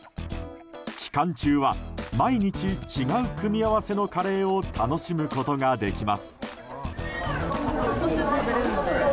期間中は毎日、違う組み合わせのカレーを楽しむことができます。